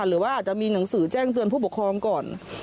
หรือว่าอาจจะมีหนังสือแจ้งเตือนผู้ปกครองก่อน